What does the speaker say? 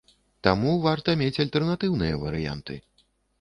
Таму варта мець альтэрнатыўныя варыянты.